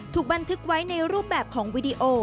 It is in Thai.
ถูกบันทึกไว้ในรูปแบบของวีดีโอ